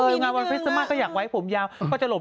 หนูมันมีเพื่อหน้าอกที่แยบนะ